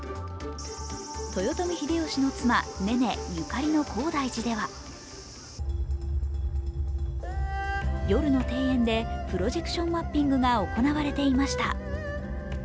豊臣秀吉の妻・ねねゆかりの高台寺では、夜の庭園でプロジェクションマッピングが行われていました。